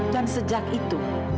dan sejak itu